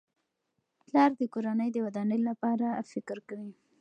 پلار د کورنۍ د ودانۍ لپاره فکر کوي.